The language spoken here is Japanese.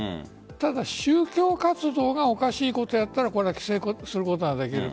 ただ、宗教活動がおかしいことをやったら規制することはできる。